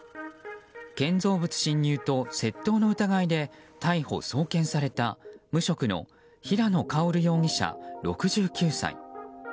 建造物侵入と窃盗の疑いで逮捕・送検された無職の平野薫容疑者、６９歳。